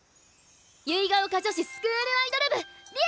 結ヶ丘女子スクールアイドル部「Ｌｉｅｌｌａ！」！